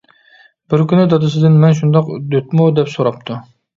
بىر كۈنى دادىسىدىن:-مەن شۇنداق دۆتمۇ؟ -دەپ سوراپتۇ.